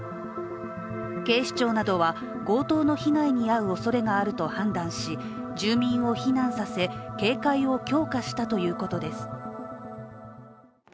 警視庁などは強盗の被害に遭うおそれがあると判断し住民を避難させ、警戒を強化したということです。